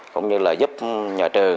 cũng như là giúp nhà trường